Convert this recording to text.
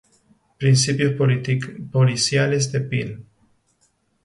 Principios policiales de Peel